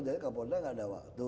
jadi kapolda gak ada waktu